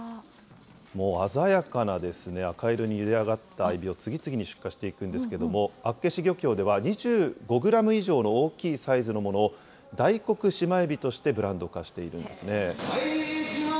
もう鮮やかな赤色にゆで上がったエビを次々に出荷していくんですけれども、厚岸漁協では２５グラム以上の大きいサイズのものを、大黒しまえびとしてブランド化しているんですね。